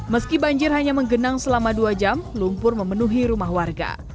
meski banjir hanya menggenang selama dua jam lumpur memenuhi rumah warga